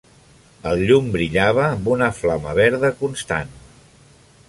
El llum brillava amb una flama verda constant.